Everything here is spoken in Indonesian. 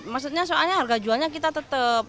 maksudnya soalnya harga jualnya kita tetap